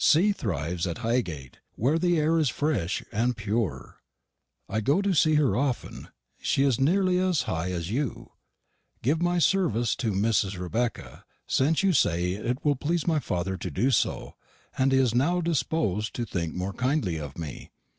C. thrivs at Higate, wear the aire is fresh and pewer. I go to see her offen. She is nerely as high as you. Give my servis to Mrs. Rebecka, sinse you say it will plese my father to do so, and he is now dispos'd to think more kindly of me.